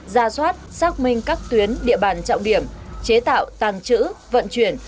ra soát xác minh các tuyến địa bàn trọng điểm chế tạo tàng trữ vận chuyển